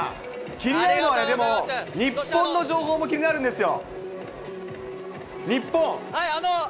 気になるのはでも、日本の情報も気になるんですよ。